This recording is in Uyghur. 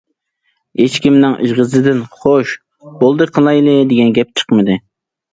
ھېچكىمنىڭ ئېغىزىدىن‹‹ خوش، بولدى قىلايلى›› دېگەن گەپ چىقمىدى.